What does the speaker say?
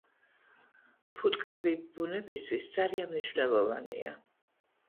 ფუტკრები ბუნებისთვის ძალიან მნიშვნელოვანია